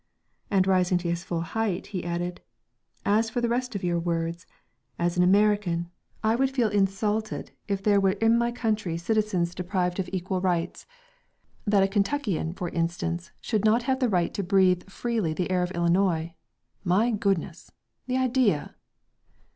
And rising to his full height, he added: "As for the rest of your words ... as an American, I would feel insulted, if there were in my country citizens deprived of equal rights.... That a Kentuckian, for instance, should not have the right to breathe freely the air of Illinois.... My goodness.... The idea!"